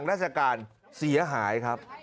สวัสดีครับคุณผู้ชาย